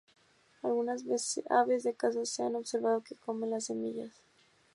Algunas aves de caza se han observado que comen las semillas.